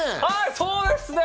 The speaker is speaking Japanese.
そうですね。